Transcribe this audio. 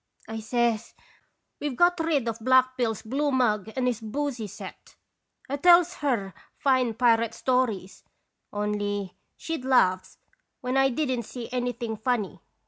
"1 says: 'We've got rid of Black Bill's blue mug and his boosy set.' "I tells her fine pirate stories, only she'd laugh when I did n't see anything funny.